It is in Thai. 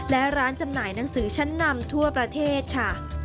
และร้านจำหน่ายหนังสือชั้นนำทั่วประเทศค่ะ